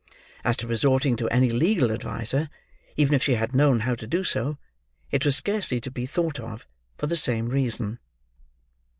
As to resorting to any legal adviser, even if she had known how to do so, it was scarcely to be thought of, for the same reason.